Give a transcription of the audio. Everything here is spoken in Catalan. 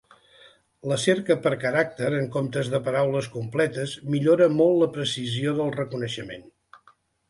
La cerca per caràcter en comptes de paraules completes millora molt la precisió del reconeixement.